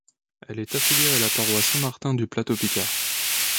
Elle est affiliée à la paroisse Saint-Martin du Plateau Picard.